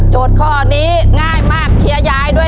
โจทย์ข้อนี้ง่ายมากเทียยายด้วย